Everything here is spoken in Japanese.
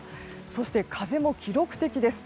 そして風も記録的です。